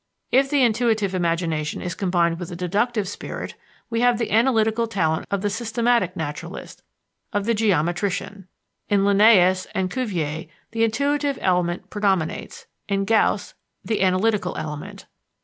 If the intuitive imagination is combined with the deductive spirit we have the analytical talent of the systematic naturalist, of the geometrician. In Linnaeus and Cuvier the intuitive element predominates; in Gauss, the analytical element.